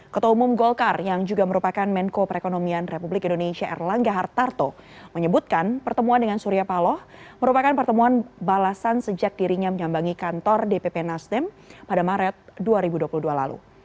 ketua umum golkar yang juga merupakan menko perekonomian republik indonesia erlangga hartarto menyebutkan pertemuan dengan surya paloh merupakan pertemuan balasan sejak dirinya menyambangi kantor dpp nasdem pada maret dua ribu dua puluh dua lalu